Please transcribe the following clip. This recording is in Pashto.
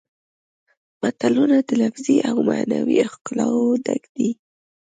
متلونه د لفظي او معنوي ښکلاوو ډک دي